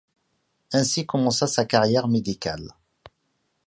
Ainsi commença sa carrière médicale.